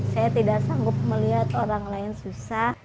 saya tidak sanggup melihat orang lain susah